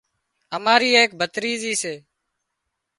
اماري ايڪ ڀتريزِي سي